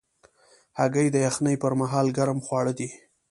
هګۍ د یخنۍ پر مهال ګرم خواړه دي.